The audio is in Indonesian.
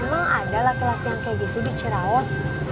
emang ada laki laki yang kayak gitu di ceraos